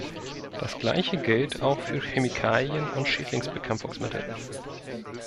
Das Gleiche gilt auch für Chemikalien und Schädlingsbekämpfungsmittel.